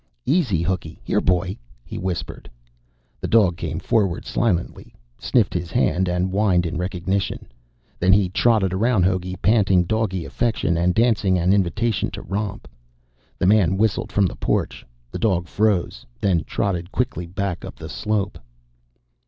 "Easy, Hooky, here boy!" he whispered. The dog came forward silently, sniffed his hand, and whined in recognition. Then he trotted around Hogey, panting doggy affection and dancing an invitation to romp. The man whistled from the porch. The dog froze, then trotted quickly back up the slope.